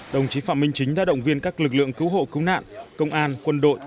đồng chí phạm minh chính đã động viên các lực lượng cứu hộ cứu nạn công an quân đội